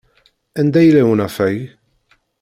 Anda yella unafag?